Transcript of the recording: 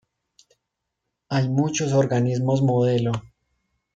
Hay muchos organismos modelo.